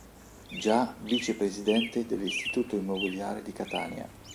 Già Vice Presidente dell'Istituto Immobiliare di Catania.